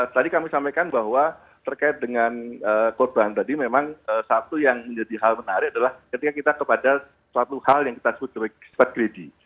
tadi kami sampaikan bahwa terkait dengan korban tadi memang satu yang menjadi hal menarik adalah ketika kita kepada suatu hal yang kita sebut gredi